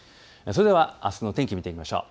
それではあすの天気、見てみましょう。